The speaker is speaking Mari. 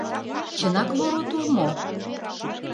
— Чынак вор от ул мо?